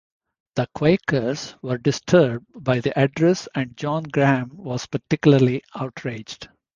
The Quakers were disturbed by the address and John Graham was particularly outraged.